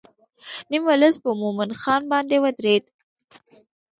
نیم ولس پر مومن خان باندې ودرېد.